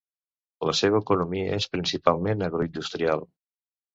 La seva economia és principalment agroindustrial.